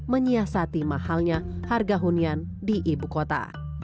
menyiasati mahalnya harga hunian di ibu kota